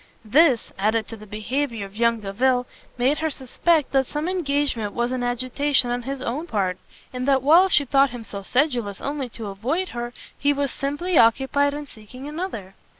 This, added to the behaviour of young Delvile, made her suspect that some engagement was in agitation on his own part, and that while she thought him so sedulous only to avoid her, he was simply occupied in seeking another.